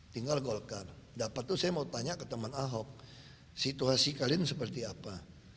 tinggal golkar dapat tuh saya mau tanya ke teman ahok situasi kalian seperti apa